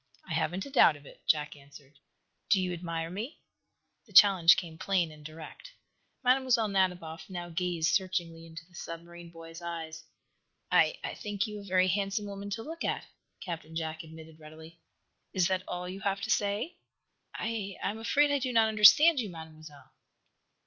"I haven't a doubt of it," Jack answered. "Do you admire me?" The challenge came plain and direct. Mlle. Nadiboff now gazed searchingly into the submarine boy's eyes. "I I think you a very handsome woman to look at," Captain Jack admitted, readily. "Is that all you have to say?" "I I am afraid I do not understand you, Mademoiselle."